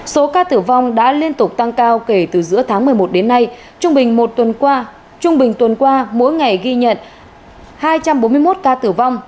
số ca tử vong đã liên tục tăng cao kể từ giữa tháng một mươi một đến nay trung bình tuần qua mỗi ngày ghi nhận hai trăm bốn mươi một ca tử vong